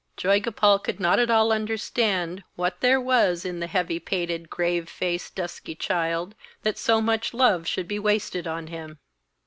Joygopal could not at all understand what there was in the heavy pated, grave faced, dusky child that so much love should be wasted on him.